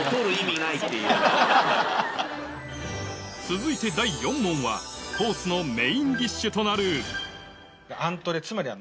続いて第４問はコースのメインディッシュとなるつまり。